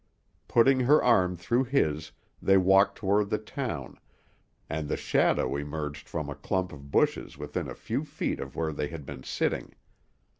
Putting her arm through his, they walked toward the town, and the shadow emerged from a clump of bushes within a few feet of where they had been sitting.